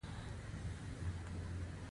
په لومړۍ لیکه کې دوه تنه، وروسته څلور تنه.